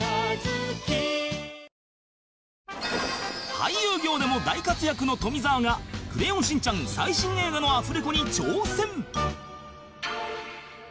俳優業でも大活躍の富澤が『クレヨンしんちゃん』最新映画のアフレコに挑戦！